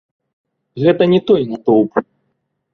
Гэта не той натоўп.